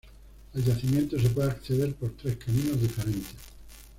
Al yacimiento se puede acceder por tres caminos diferentes.